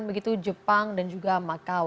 begitu jepang dan juga makau